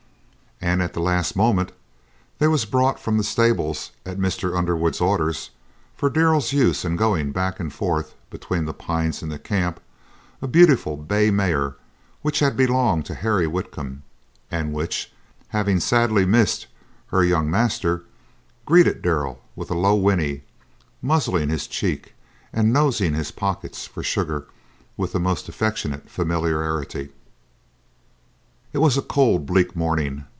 And at the last moment there was brought from the stables at Mr. Underwood's orders, for Darrell's use in going back and forth between The Pines and the camp, a beautiful bay mare which had belonged to Harry Whitcomb, and which, having sadly missed her young master, greeted Darrell with a low whinny, muzzling his cheek and nosing his pockets for sugar with the most affectionate familiarity. It was a cold, bleak morning.